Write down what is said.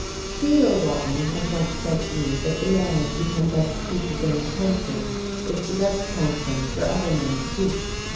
Theodore Watling had once said to me that the man who can best keep his own counsel is the best counsel for other men to keep.